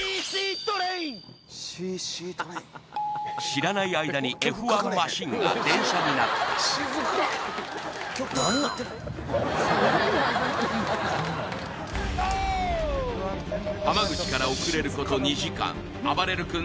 知らない間にＦ１マシンが電車になったあばれる君